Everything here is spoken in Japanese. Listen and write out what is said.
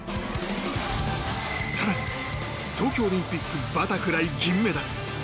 更に、東京オリンピックバタフライ銀メダル。